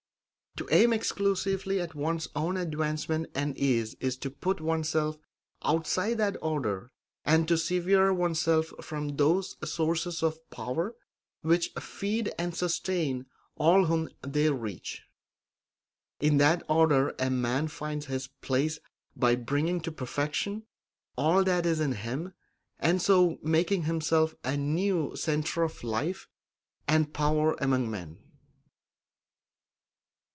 To aim exclusively at one's own advancement and ease is to put oneself outside that order and to sever oneself from those sources of power which feed and sustain all whom they reach. In that order a man finds his place by bringing to perfection all that is in him, and so making himself a new centre of life and power among men.